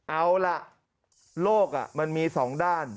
เอาล่ะโลกมันมี๒ด้าน